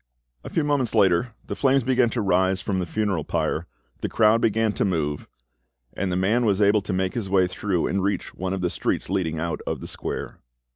A few moments later the flames began to rise from the funeral pile, the crowd began to move, and the than was able to make his way through and reach one of the streets leading out of the square.